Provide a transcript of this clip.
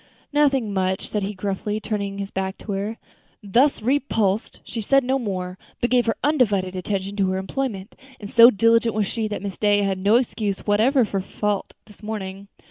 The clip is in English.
"Nothing much," said he, gruffly, turning his back to her. Thus repulsed, she said no more, but gave her undivided attention to her employment; and so diligent was she, that Miss Day had no excuse whatever for fault finding this morning.